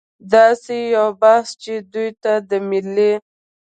داسې یو بحث چې دوی ته د ملي